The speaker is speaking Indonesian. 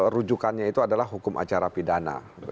rujukannya itu adalah hukum acara pidana